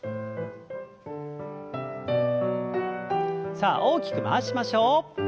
さあ大きく回しましょう。